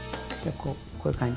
こういう感じ。